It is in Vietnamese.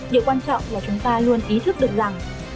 điều quan trọng là chúng ta luôn ý thức được rằng